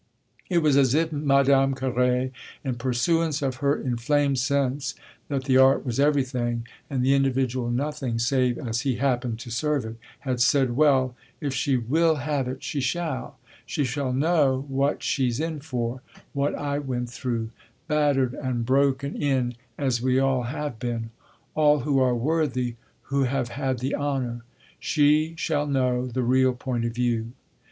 It was as if Madame Carré, in pursuance of her inflamed sense that the art was everything and the individual nothing save as he happened to serve it, had said: "Well, if she will have it she shall; she shall know what she's in for, what I went through, battered and broken in as we all have been all who are worthy, who have had the honour. She shall know the real point of view."